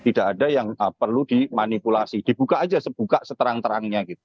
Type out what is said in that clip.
dan tidak ada yang perlu dimanipulasi dibuka saja sebuka seterang terangnya